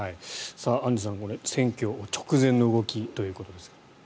アンジュさん選挙直前の動きということですが。